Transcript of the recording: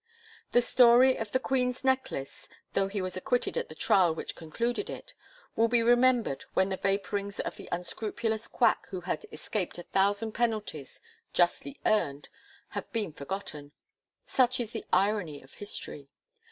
The story of the Queen's Necklace, though he was acquitted at the trial which concluded it, will be remembered when the vapourings of the unscrupulous quack who had escaped a thousand penalties justly earned, have been long forgotten. Such is the irony of history!